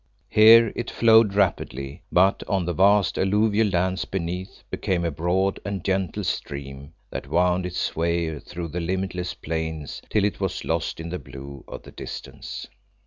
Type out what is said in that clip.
Here it flowed rapidly, but on the vast, alluvial lands beneath became a broad and gentle stream that wound its way through the limitless plains till it was lost in the blue of the distance.